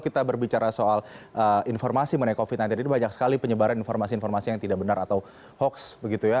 kita berbicara soal informasi mengenai covid sembilan belas ini banyak sekali penyebaran informasi informasi yang tidak benar atau hoax begitu ya